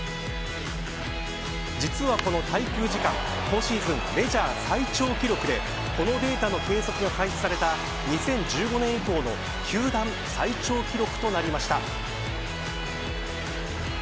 実はこの滞空時間今シーズン、メジャー最長記録でこのデータの計測が開始された２０１５年以降の球団最長記録となりました。